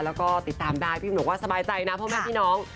แล้วก็ติดตามได้พี่บินบอกว่าสบายใจนะพ่อแม่พี่น้อง